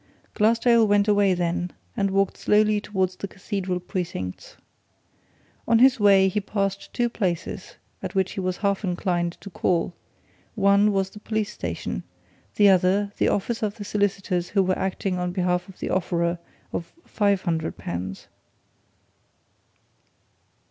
Glassdale went away then and walked slowly towards the Cathedral precincts. On his way he passed two places at which he was half inclined to call one was the police station; the other, the office of the solicitors who were acting on behalf of the offerer of five hundred pounds.